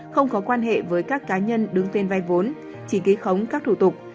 không có quan hệ với các cá nhân đứng tên vay vốn chỉ ký khống các thủ tục